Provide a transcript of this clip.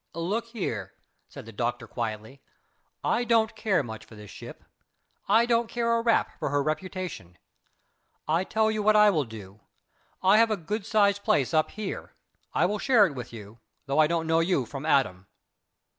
"Look here," said the doctor quietly, "I don't care much for this ship. I don't care a rap for her reputation. I tell you what I will do. I have a good sized place up here. I will share it with you, though I don't know you from Adam."